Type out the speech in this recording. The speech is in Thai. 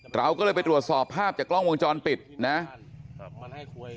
เราก็เลยไปตรวจสอบภาพจากกล้องวงจรปิดนะครับ